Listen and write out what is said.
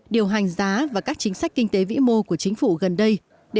điều hành giá và các chính sách kinh tế vĩ mô của chính phủ gần đây